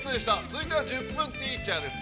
続いては、「１０分ティーチャー」です。